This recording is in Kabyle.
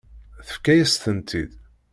Tefka-yas-tent-id.